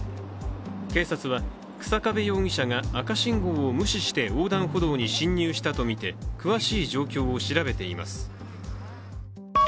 警察は、日下部容疑者が赤信号を無視して横断歩道に進入したとみて詳しい状況を調べています。